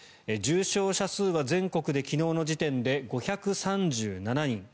重症者数は全国で昨日の時点で５３７人。